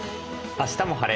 「あしたも晴れ！